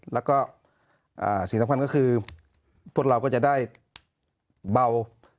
แล้วก็สิ่งสำคัญก็คือพวกเราก็จะได้เบา